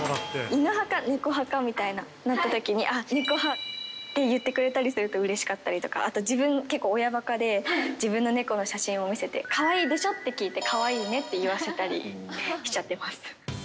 犬派か猫派かみたいになったときに、あっ、猫派って言ってくれたりすると、うれしかったりとか、あと自分、結構親ばかで、自分の猫の写真を見せて、かわいいでしょって聞いて、かわいいねって言わせたりしちゃってます。